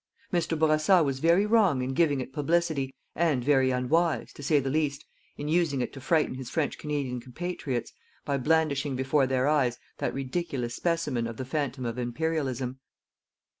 Mr. Bourassa was very wrong in giving it publicity, and very unwise, to say the least, in using it to frighten his French Canadian compatriots by blandishing before their eyes that ridiculous specimen of the phantom of Imperialism.